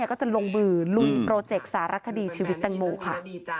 ก็จะลงมือลุยโปรเจกต์สารคดีชีวิตแตงโมค่ะ